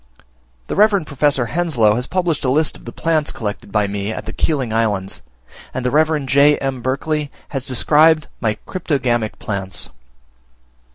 The Reverend Professor Henslow has published a list of the plants collected by me at the Keeling Islands; and the Reverend J. M. Berkeley has described my cryptogamic plants.